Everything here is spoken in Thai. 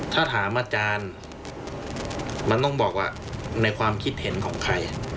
ถ้าถามอาจารย์มันต้องบอกว่าในความคิดเห็นของใคร